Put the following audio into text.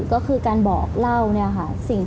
ก็คือการบอกเล่าค่ะ